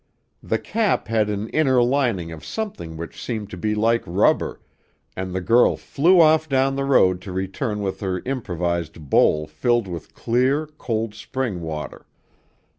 The cap had an inner lining of something which seemed to be like rubber, and the girl flew off down the road to return with her improvised bowl filled with clear, cold spring water.